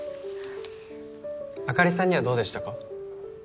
あかりさんにはどうでしたか？